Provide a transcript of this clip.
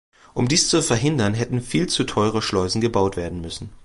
Um dies zu verhindern, hätten viel zu teure Schleusen gebaut werden müssen.